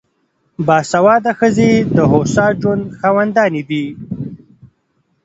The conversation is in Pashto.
باسواده ښځې د هوسا ژوند خاوندانې دي.